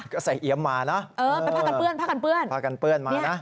ก็ใส่เอียมมานะเออเป็นพากันเปลื้อนมาน่ะนี้ครับ